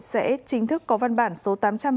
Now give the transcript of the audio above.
sẽ chính thức có văn bản số tám trăm ba mươi năm